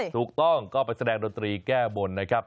ถูกต้องก็ไปแสดงดนตรีแก้บนนะครับ